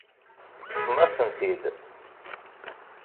Teṭṭfem-asen-t-id.